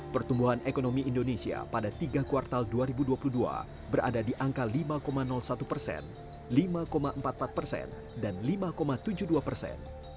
pertumbuhan dua ribu dua puluh dua berada di angka lima satu persen lima empat puluh empat persen dan lima tujuh puluh dua persen